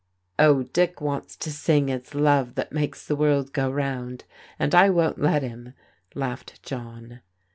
" Oh, Dick wants to sing * It's love that makes the world go roimd,' and I won't let him," laughed John.